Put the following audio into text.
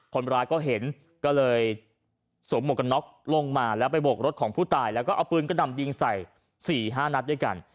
คนร้ายก็เห็นก็เลยสวมหมวกกันน็อกลงมาแล้วไปโบกรถของผู้ตายแล้วก็เอาปืนกระดำยิงใส่๔๕นัดด้วยกัน